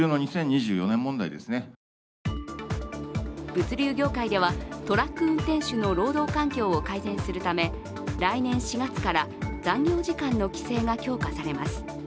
物流業界ではトラック運転手の労働環境を改善するため来年４月から残業時間の規制が強化されます。